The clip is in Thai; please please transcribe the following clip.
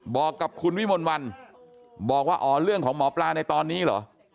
บอกกับคุณวิมลวันบอกว่าอ๋อเรื่องของหมอปลาในตอนนี้เหรอ